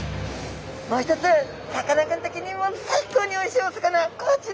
もう一つさかなクン的にも最高においしいお魚こちら！